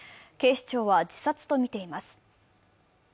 警視庁は自殺とみています。